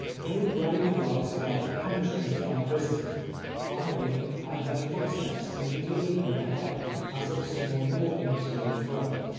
No ray of light, how ever, penetrated my prison. Finally, I heard foot steps immediately overhead, as of some one walking to and fro.